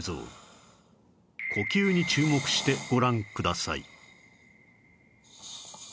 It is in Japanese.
呼吸に注目してご覧ください